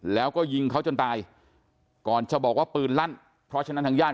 แล้วก็ยิงเขาจนตายก่อนจะบอกว่าปืนลั่นเพราะฉะนั้นทางญาติ